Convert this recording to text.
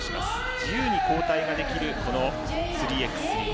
自由に交代ができる３ｘ３。